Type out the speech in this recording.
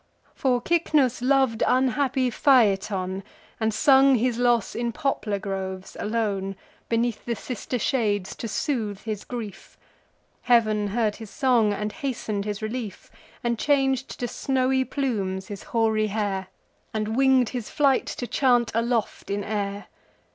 For Cycnus lov'd unhappy Phaeton, And sung his loss in poplar groves, alone, Beneath the sister shades, to soothe his grief. Heav'n heard his song, and hasten'd his relief, And chang'd to snowy plumes his hoary hair, And wing'd his flight, to chant aloft in air.